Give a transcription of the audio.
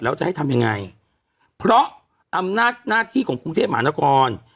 แล้วจะให้ทำยังไงเพราะอำนาจหน้าที่ของกรุงเทพมหานคร